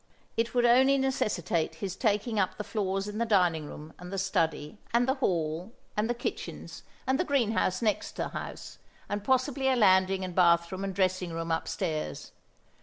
It would only necessitate his taking up the floors in the dining room and the study and the hall and the kitchens and the greenhouse next the house, and possibly a landing and bath room and dressing room upstairs.